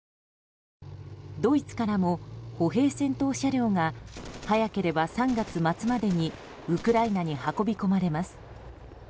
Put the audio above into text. ドイツからも歩兵戦闘車両が早ければ３月末までにウクライナに運び込まれます。